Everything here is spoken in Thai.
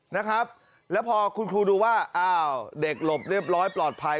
นะครับแล้วพอคุณครูดูว่าอ้าวเด็กหลบเรียบร้อยปลอดภัย